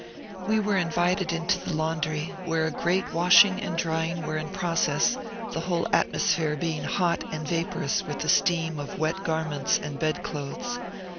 We were invited into the laundry, where a great washing and drying were in process, the whole atmosphere being hot and vaporous with the steam of wet garments and bedclothes.